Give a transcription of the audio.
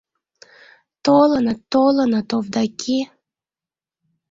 — Толыныт, толыныт, Овдаки.